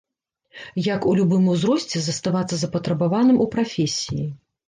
Як у любым узросце заставацца запатрабаваным у прафесіі.